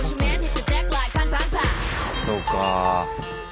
そうか。